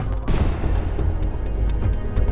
เกี่ยวกับคนที่รัก